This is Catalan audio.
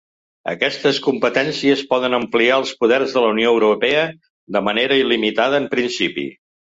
Aquestes competències poden ampliar els poders de la Unió Europea de manera il·limitada en principi.